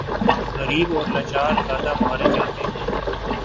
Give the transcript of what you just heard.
غریب اور لاچار زیادہ مارے جاتے ہیں۔